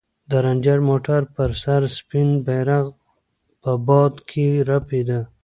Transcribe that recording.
د رنجر موټر پر سر سپین بیرغ په باد کې رپېده.